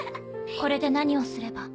これで何をすれば？